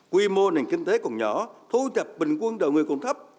quy mô nền kinh tế còn nhỏ thu nhập bình quân đầu người còn thấp